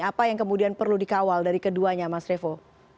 apa yang kemudian perlu dikawal dari keduanya mas revo